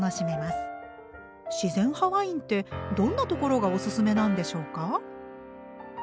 自然派ワインってどんなところがおすすめなんでしょうか？